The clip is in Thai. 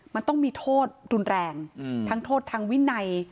มันต้องมีโทษรุนแรงทั้งโทษทางวินัย